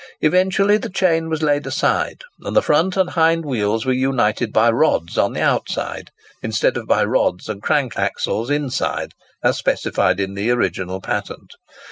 Eventually the chain was laid aside, and the front and hind wheels were united by rods on the outside, instead of by rods and crank axles inside, as specified in the original patent.